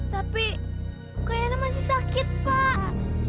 tapi kayaknya masih sakit pak